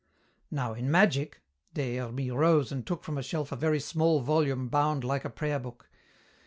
"Now in magic," Des Hermies rose and took from a shelf a very small volume bound like a prayer book.